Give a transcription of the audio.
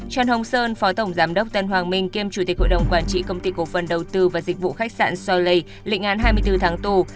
trần hồng sơn phó tổng giám đốc tân hoàng minh kiêm chủ tịch hội đồng quản trị công ty cổ phần đầu tư và dịch vụ khách sạn solay lịnh án hai mươi bốn tháng tù